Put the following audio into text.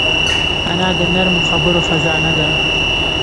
انا د نرمو خبرو خزانه ده